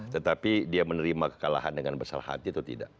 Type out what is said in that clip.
tetapi dia menerima kekalahan dengan besar hati atau tidak